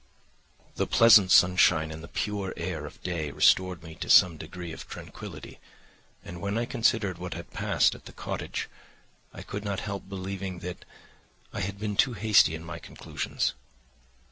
"The pleasant sunshine and the pure air of day restored me to some degree of tranquillity; and when I considered what had passed at the cottage, I could not help believing that I had been too hasty in my conclusions.